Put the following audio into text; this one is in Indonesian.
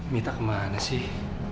mita kemana sih